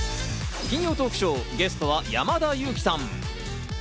金曜トークショーゲストは山田裕貴さん。